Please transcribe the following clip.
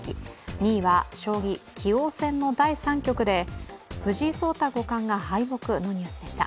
２位は将棋、棋王戦の第３局で藤井聡太五冠が敗北のニュースでした。